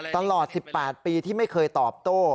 ตลอด๑๘ปีที่ไม่เคยตอบโต้